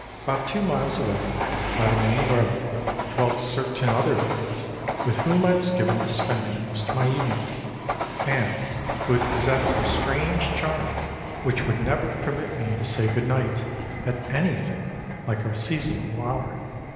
About two miles away, by the main road, dwelt certain other friends, with whom I was given to spending most of my evenings, and who possessed some strange charm which would never permit me to say good night at anything like a seasonable hour.